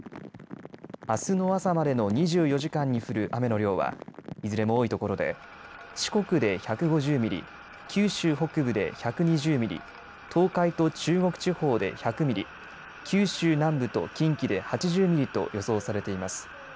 あすの朝までの２４時間に降る雨の量はいずれも多いところで四国で１５０ミリ、九州北部で１２０ミリ、東海と中国地方で１００ミリ、九州南部と近畿で８０ミリと予想されています。